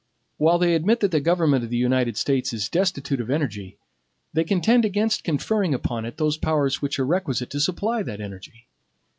While they admit that the government of the United States is destitute of energy, they contend against conferring upon it those powers which are requisite to supply that energy.